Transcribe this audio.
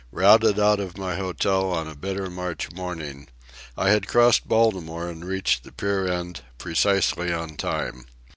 Routed out of my hotel on a bitter March morning, I had crossed Baltimore and reached the pier end precisely on time.